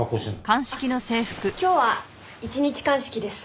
あっ今日は一日鑑識です。